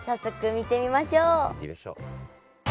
見てみましょう。